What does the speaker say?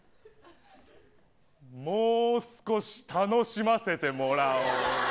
もう少し楽しませてもらおう。